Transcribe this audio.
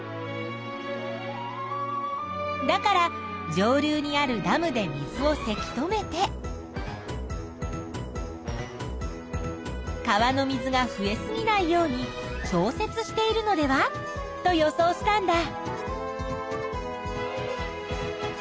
だから上流にあるダムで水をせき止めて川の水が増えすぎないように調節しているのではと予想したんだ。